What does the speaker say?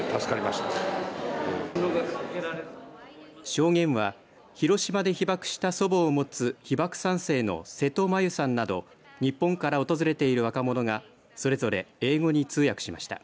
証言は広島で被爆した祖母を持つ被爆３世の瀬戸麻由さんなど日本から訪れている若者がそれぞれ英語に通訳しました。